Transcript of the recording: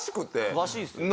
詳しいですよね。